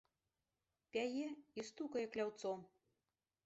Пяе і стукае кляўцом.